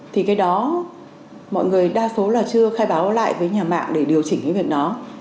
thì cái đó mọi người đa số là chưa khai báo lại với nhà mạng để điều chỉnh cái việc đó